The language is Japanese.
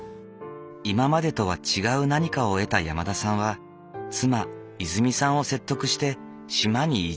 今までとは違う何かを得た山田さんは妻いづみさんを説得して島に移住。